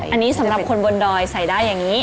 อันนี้สำหรับคนบนดอยใส่ได้อย่างนี้